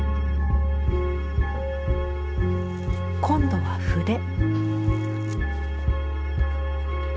今度は筆。